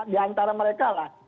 diantara mereka lah